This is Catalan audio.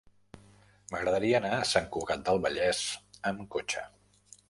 M'agradaria anar a Sant Cugat del Vallès amb cotxe.